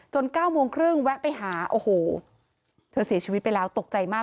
๙โมงครึ่งแวะไปหาโอ้โหเธอเสียชีวิตไปแล้วตกใจมาก